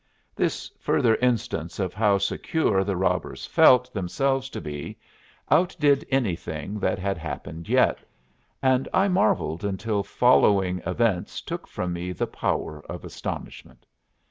This further instance of how secure the robbers felt themselves to be outdid anything that had happened yet, and I marvelled until following events took from me the power of astonishment.